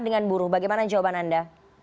dengan buruh bagaimana jawaban anda